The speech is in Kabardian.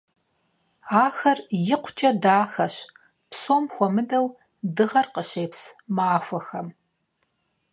Ахэр икъукӀэ дахэщ, псом хуэмыдэу дыгъэр къыщепс махуэхэм.